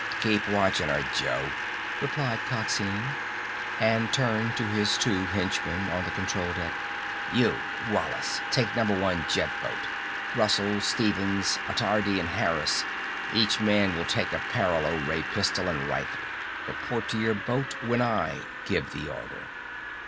"Keep watching her, Joe," replied Coxine, and turned to his two henchmen on the control deck. "You, Wallace! Take number one jet boat. Russell, Stephens, Attardi, and Harris. Each man will take a paralo ray pistol and rifle. Report to your boat when I give the order."